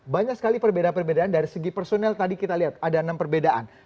banyak sekali perbedaan perbedaan dari segi personel tadi kita lihat ada enam perbedaan